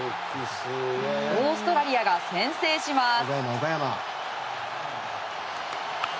オーストラリアが先制します。